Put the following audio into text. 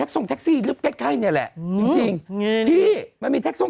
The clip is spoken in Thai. ทักซ่องแท็กซี่ลึกใกล้ใกล้เนี่ยแหละจริงจริงที่มันมีทักซ่อง